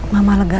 mama lebih baik